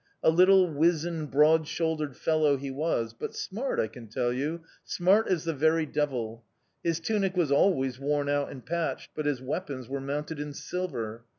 A little, wizened, broad shouldered fellow he was but smart, I can tell you, smart as the very devil! His tunic was always worn out and patched, but his weapons were mounted in silver.